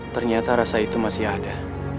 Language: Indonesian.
ternyata rasa itu masih ada